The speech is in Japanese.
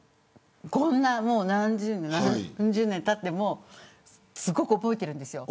こんな何十年たってもすごく覚えているんですよ。